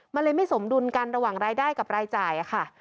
มันเลยไม่สมดุลกันระหว่างรายได้กับรายจ่ายค่ะ